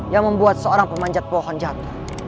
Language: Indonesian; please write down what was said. yang membuat seorang pemanjat pohon jatuh